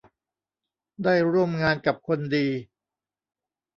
ได้ร่วมงานกับคนดี